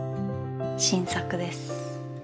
新作です。